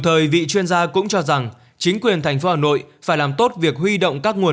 thời vị chuyên gia cũng cho rằng chính quyền thành phố hà nội phải làm tốt việc huy động các nguồn